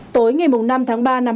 tối ngày năm tháng ba năm hai nghìn